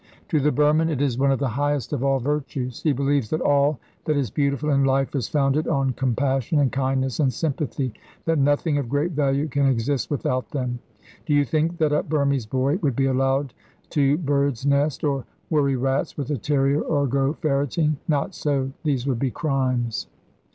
To the Burman it is one of the highest of all virtues. He believes that all that is beautiful in life is founded on compassion and kindness and sympathy that nothing of great value can exist without them. Do you think that a Burmese boy would be allowed to birds' nest, or worry rats with a terrier, or go ferreting? Not so. These would be crimes.